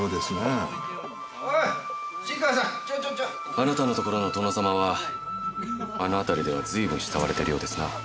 あなたのところの殿様はあの辺りでは随分慕われているようですな。